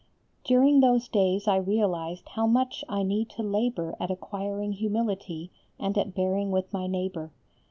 During those days I realized how much I need to labour at acquiring humility and at bearing with my neighbour.